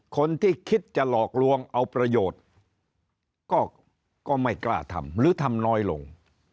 คนที่คิดจะหลอกลวงเอาประโยชน์ก็ไม่กล้าทำหรือทำน้อยลง